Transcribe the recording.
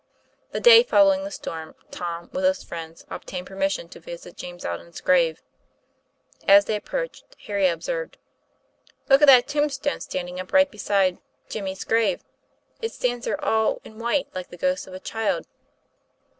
The day following the storm Tom with his friends obtained permission to visit James Aldine's grave. As they approached, Harry observed: " Look at that tombstone standing up right beside 252 TOM PLAYFAIR. Jimmy's grave. It stands there all in white, like the ghost of a child."